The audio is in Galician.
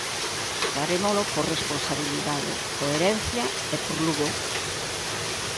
Farémolo por responsabilidade, coherencia e por Lugo.